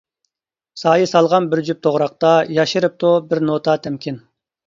سايە سالغان بىر جۈپ توغراقتا، ياشىرىپتۇ بىر نوتا تەمكىن.